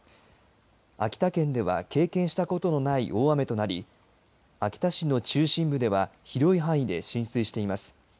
秋田県では経験したことのない大雨となり秋田市の中心部では広い範囲で浸水しています。